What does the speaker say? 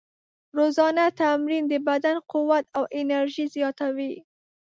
روزانه تمرین د بدن قوت او انرژي زیاتوي.